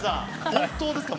本当ですか？